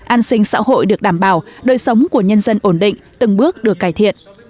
an sinh xã hội được đảm bảo đời sống của nhân dân ổn định từng bước được cải thiện